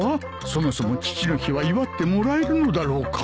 そもそも父の日は祝ってもらえるのだろうか